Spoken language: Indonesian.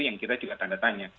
yang kita juga tanda tanya